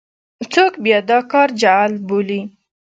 څوک بیا دا کار جعل بولي.